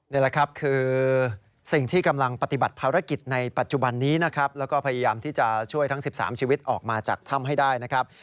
นี่แหละครับคือสิ่งที่กำลังปฏิบัติภารกิจในปัจจุบันนี้นะครับแล้วก็พยายามที่จะช่วยทั้ง๑๓ชีวิตออกมาจากถ้ำให้ได้นะครับ